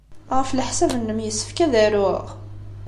Ɣef leḥsab-nnem, yessefk ad aruɣ?